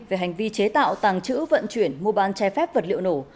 về hành vi chế tạo tàng trữ vận chuyển mua bán che phép vật liệu nổ